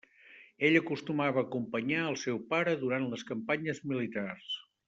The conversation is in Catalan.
Ell acostumava a acompanyar al seu pare durant les campanyes militars.